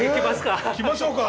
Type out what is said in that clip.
着ましょうか。